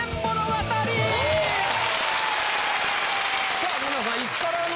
さあ皆さん。